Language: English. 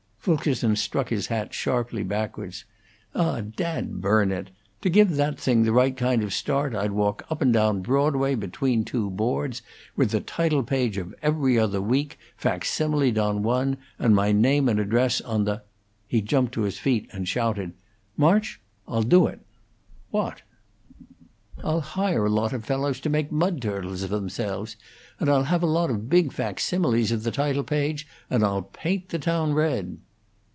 Fulkerson struck his hat sharply backward. "Ah, dad burn it! To give that thing the right kind of start I'd walk up and down Broadway between two boards, with the title page of 'Every Other Week' facsimiled on one and my name and address on the " He jumped to his feet and shouted, "March, I'll do it!" "What?" "I'll hire a lot of fellows to make mud turtles of themselves, and I'll have a lot of big facsimiles of the title page, and I'll paint the town red!"